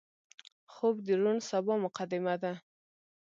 خوب د روڼ سبا مقدمه ده